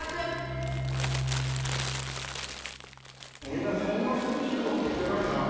みんなそんな涼しい格好してないなあ。